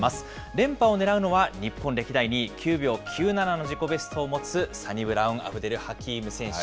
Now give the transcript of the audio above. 連覇をねらうのは、日本歴代２位、９秒９７の自己ベストを持つ、サニブラウンアブデル・ハキーム選手。